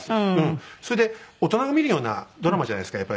それで大人が見るようなドラマじゃないですか。